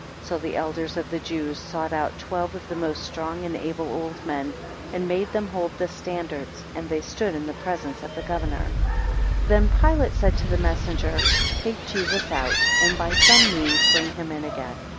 27 So the elders of the Jews sought out twelve of the most strong and able old men, and made them hold the standards, and they stood in the presence of the governor. 28 Then Pilate said to the messenger, Take Jesus out, and by some means bring him in again.